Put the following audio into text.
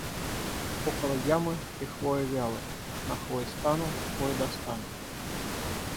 Около ямы три хвоя вялы: на хвой стану, хвой достану.